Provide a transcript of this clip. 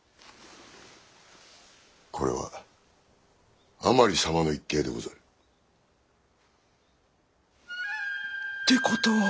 これは甘利様の一計でござる。ってことは？